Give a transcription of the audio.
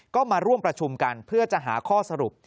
ก็มาร่วมประชุมกันเพื่อจะหาข้อสรุป